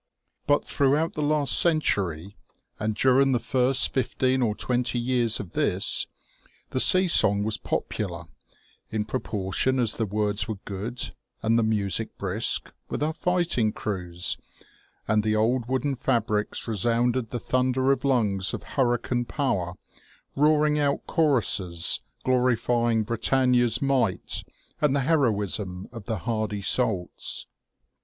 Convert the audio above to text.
But throughout the last century, and during the 234 THE OLD NAVAL SEA SONG. first fifteen or twenty years of this, the sea song was popular, in proportion as the words were good and the music brisk, with our fighting crews, and the old wooden fabrics resounded the thunder of lungs of hurricane power roaring out choruses glorifying Britannia's might and the heroism of the hardy salts.